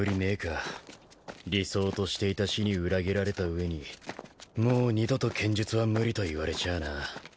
理想としていた師に裏切られた上にもう二度と剣術は無理と言われちゃあな。